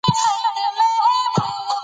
لنډمهاله پلانونه باید له پامه ونه غورځوو.